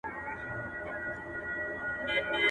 عزراییل دي ستا پر عقل برابر سي.